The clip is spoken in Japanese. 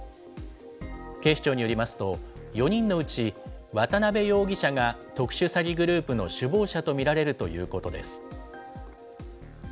警視庁によりますと、４人のうち、渡邉容疑者が特殊詐欺グループの首謀者と見られるということです。